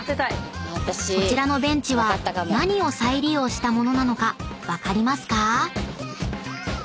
［こちらのベンチは何を再利用した物なのか分かりますか？］